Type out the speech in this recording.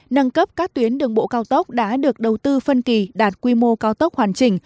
nâng cấp các tuyến đường bộ cao tốc đã được đầu tư phân kỳ đạt quy mô cao tốc hoàn chỉnh